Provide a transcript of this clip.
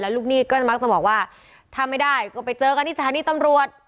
ลูกหนี้ก็มักจะบอกว่าถ้าไม่ได้ก็ไปเจอกันที่สถานีตำรวจ